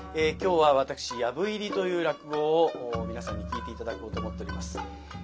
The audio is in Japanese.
今日は私「藪入り」という落語を皆さんに聴いて頂こうと思っております。